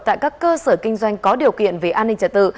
tại các cơ sở kinh doanh có điều kiện về an ninh trật tự